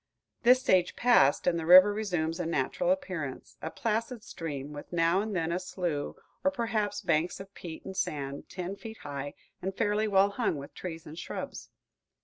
This stage passed, and the river resumes a natural appearance, a placid stream, with now and then a slough, or perhaps banks of peat and sand, ten feet high and fairly well hung with trees and shrubs.